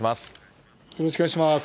よろしくお願いします。